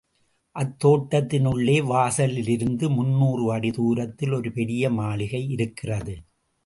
அத்தோட்டத்தினுள்ளே வாசலிலிருந்து முன்னூறு அடி தூரத்தில் ஒரு பெரிய மாளிகை இருக்கிறது.